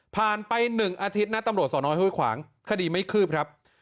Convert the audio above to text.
ผ่านไปหนึ่งอาทิตย์ตำรวจสอนอโห้ยขวางคดีไม่ครืบครับ